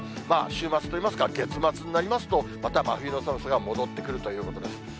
まあ週末といいますか、月末になりますと、また真冬の寒さが戻ってくるということです。